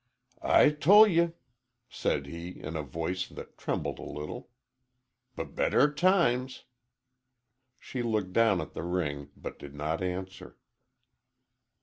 "I tol' ye," said he, in a voice that trembled a little. "B better times." She looked down at the ring, but did not answer.